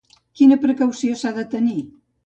Quina precaució s'ha de tenir?